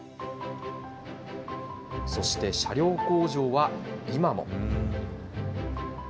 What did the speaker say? そして車両工場は今も。